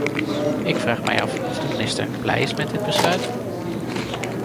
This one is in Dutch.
Ik vraag mij af of de minister blij is met dit besluit?